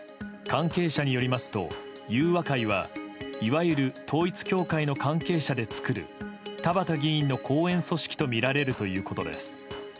関係者によりますと、裕和会はいわゆる統一教会の関係者で作る田畑議員の後援組織とみられるということです。